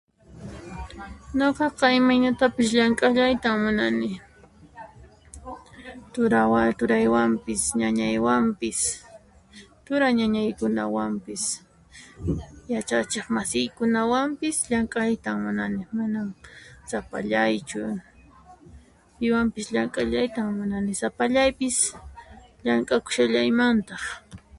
Nuqaqa imaynatapis llank'aytan munani turawa turaywanpis, ñañaywanpis, tura ñañaykunawanpis, yachachiq masiykunawanpis, llank'aytan munani, manan sapallaychu piwanpis llank'allaytan munani sapallaypis llank'akushallaymantaq.